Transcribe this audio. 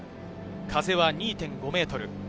風は２．５メートル。